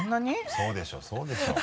そうでしょうそうでしょう。